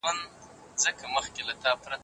د پيغمبر سنت په تجارت کي عملي کړئ.